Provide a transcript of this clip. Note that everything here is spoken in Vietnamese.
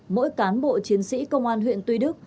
mỗi cán bộ chiến sĩ công an huyện tuy đức